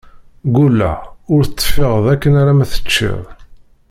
Ggulleɣ ur teffiɣeḍ akken alamma teččiḍ!